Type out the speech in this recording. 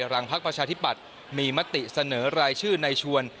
หลังพักประชาธิปัตย์มีมติเสนอรายชื่อในชวน